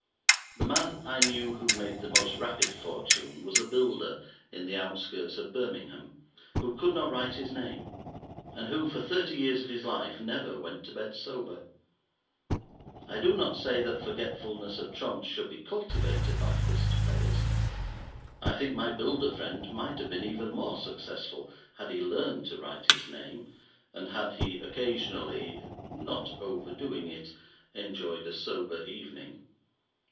The man I knew who made the most rapid fortune was a builder in the outskirts of Birmingham, who could not write his name, and who, for thirty years of his life, never went to bed sober. I do not say that forgetfulness of trumps should be cultivated by whist players. I think my builder friend might have been even more successful had he learned to write his name, and had he occasionally—not overdoing it—enjoyed a sober evening.